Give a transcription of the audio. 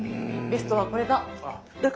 ベストはこれだ。